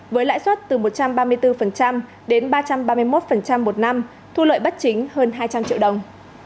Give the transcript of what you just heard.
với lãi suất từ một trăm ba mươi bốn đến ba trăm ba mươi một một năm thu lợi bất chính hơn hai trăm linh triệu đồng